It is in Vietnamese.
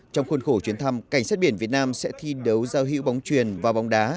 trong khuôn khổ chuyến thăm cảnh sát biển việt nam sẽ thi đấu giao hữu bóng truyền và bóng đá